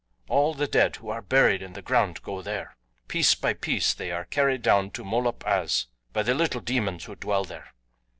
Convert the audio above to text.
All the dead who are buried in the ground go there. Piece by piece they are carried down to Molop Az by the little demons who dwell there.